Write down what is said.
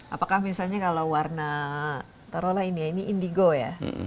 apakah misalnya kalau warna tarolah ini indigo ya